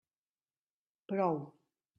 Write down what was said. Prou.